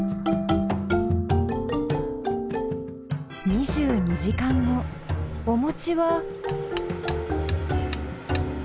２２時間後おもちは。